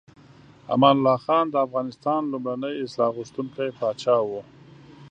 امان الله خان د افغانستان لومړنی اصلاح غوښتونکی پاچا و.